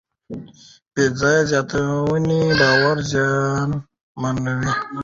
بېځایه زیاتونې باور زیانمنوي.